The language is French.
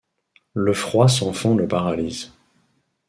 Le froid sans fond le paralyse.